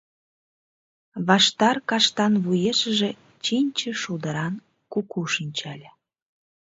Ваштар каштан вуешыже Чинче шулдыран куку шинчале.